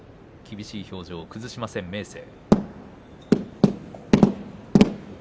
厳しい表情を崩しません明生。